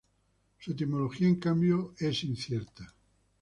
Su etimología, en cambio, es incierta.